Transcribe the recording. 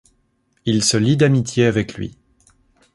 Il se lie d’amitié avec lui.